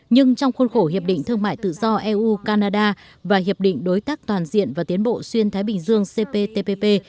nhưng trong khuôn khổ hiệp định thương mại tự do eu canada và hiệp định đối tác toàn diện và tiến bộ xuyên thái bình dương cptpp